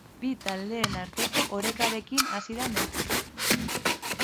Bi taldeen arteko orekarekin hasi da neurketa.